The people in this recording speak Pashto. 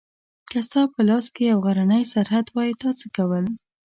که ستا په لاس کې یو غرنی سرحد وای تا څه کول؟